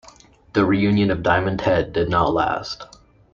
The reunion of Diamond Head did not last.